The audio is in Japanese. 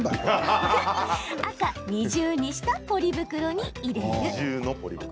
赤・二重にしたポリ袋に入れる。